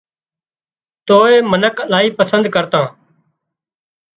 توئي منک الاهي پسند ڪرتان